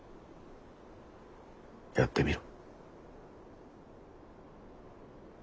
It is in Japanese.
やってみろ。